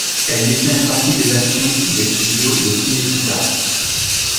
Elle détient une partie des actions des studios de Cinecittà.